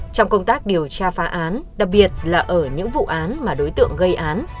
trong công tác điều tra phá án đặc biệt là ở những vụ án mà đối tượng gây án